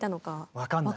分かんないよね。